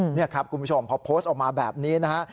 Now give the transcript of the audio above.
นี่ครับคุณผู้ชมพอโพสต์ออกมาแบบนี้นะฮะ